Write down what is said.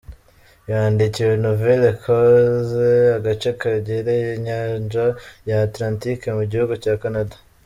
Yandikiwe Nouvelle-Écosse, agace kegereye inyanja ya Atlantique mu gihugu cya Canada.